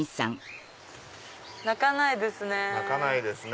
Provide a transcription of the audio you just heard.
鳴かないですね。